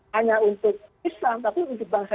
hanya untuk islam tapi untuk bangsa